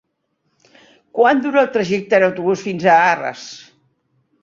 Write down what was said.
Quant dura el trajecte en autobús fins a Arres?